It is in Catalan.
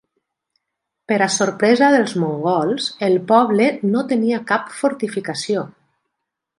Per a sorpresa dels mongols, el poble no tenia cap fortificació.